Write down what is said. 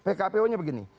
pkpu nya begini